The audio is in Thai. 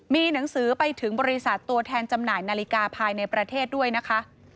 มีหนังสือไปถึงบริษัทตัวแทนจำหน่ายนาฬิกาภายในประเทศด้วยนะคะ